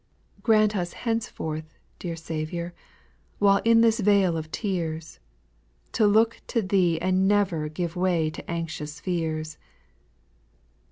8. Grant us henceforth, dear Saviour, While in this vale of tears. To look to Thee and never Give way to anxious fears.